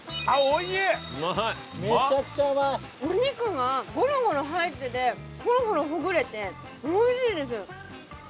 お肉がゴロゴロ入っててホロホロほぐれておいしいです。